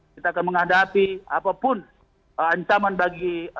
kita akan menghadapi apapun ancaman bagi